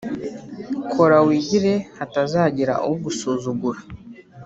Kora wigire hatazagira ugusuzugura